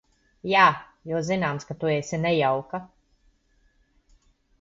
Jā, jo zināms, ka tu esi nejauka.